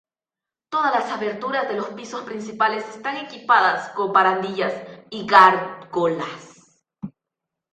Todas las aberturas de los pisos principales están equipadas con barandillas y gárgolas.